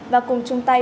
và cùng chúng ta